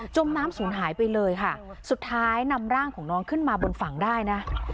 มน้ำศูนย์หายไปเลยค่ะสุดท้ายนำร่างของน้องขึ้นมาบนฝั่งได้นะ